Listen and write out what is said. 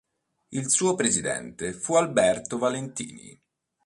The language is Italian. Il suo presidente fu Alberto Valentini.